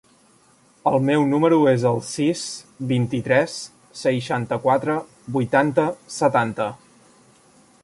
El meu número es el sis, vint-i-tres, seixanta-quatre, vuitanta, setanta.